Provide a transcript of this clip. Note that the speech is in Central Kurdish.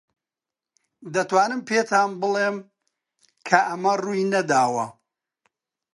دەتوانم پێتان بڵێم کە ئەمە ڕووی نەداوە.